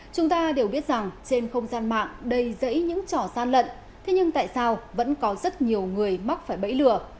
chúng ta đều biết rằng trên không gian mạng đầy rẫy những trò gian lận thế nhưng tại sao vẫn có rất nhiều người mắc phải bẫy lừa